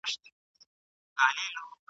له پردیو پسرلیو خپل بهار ته غزل لیکم ..